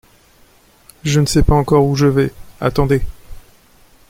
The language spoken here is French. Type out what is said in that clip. Je ne sais pas encore où je vais, attendez !